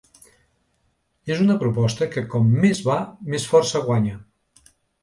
És una proposta que com més va més força guanya.